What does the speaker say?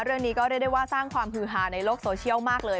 เรียกก็เรียกได้ว่าสร้างความฮือฮาในโลกโซเชียลมากเลย